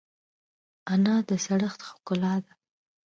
انا د زړښت ښکلا ده